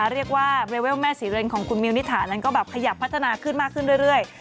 เรียกว่าเรเวลแม่ศรีเรนของคุณมิวนิถานั้นก็แบบขยับพัฒนาขึ้นมากขึ้นเรื่อย